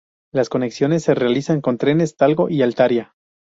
Las conexiones se realizan con trenes Talgo y Altaria.